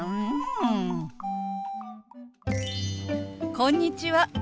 こんにちは。